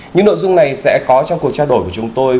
những nội dung này sẽ có trong cuộc trao đổi của chúng tôi